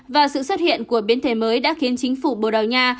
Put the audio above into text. và sự xuất hiện của biến thể mới đã khiến chính phủ bồ đào nha